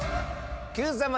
Ｑさま！！